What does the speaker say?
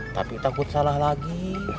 tapi takut salah lagi